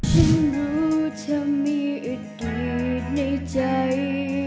ฉันรู้เธอมีอึดในใจ